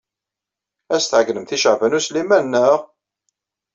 Ad as-tɛeyynemt i Caɛban U Sliman, naɣ?